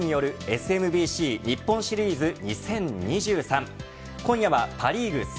阪神とオリックスによるＳＭＢＣ日本シリーズ２０２３。